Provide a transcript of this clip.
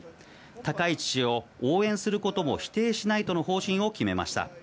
高市氏を応援することも否定しないとの方針を決めました。